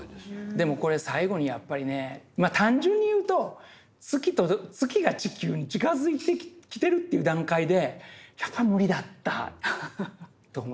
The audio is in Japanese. でもこれ最後にやっぱりねまあ単純に言うと月が地球に近づいてきてるという段階でやっぱり無理だったと思いますね。